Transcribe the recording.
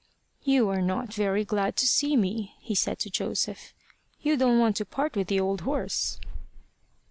"You are not very glad to see me," he said to Joseph. "You don't want to part with the old horse."